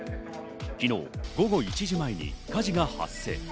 昨日午後１時前に火事が発生。